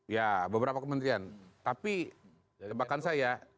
ya beberapa kementerian tapi tebakan saya